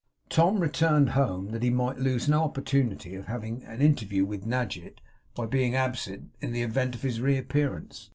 Tom returned home, that he might lose no opportunity of having an interview with Nadgett, by being absent in the event of his reappearance.